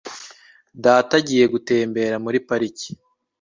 Data agiye gutembera muri parike.